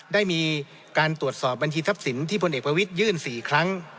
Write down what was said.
ได้มีการตรวจสอบบัญชีทรัพย์สินที่พลเอกประวิทยื่น๔ครั้ง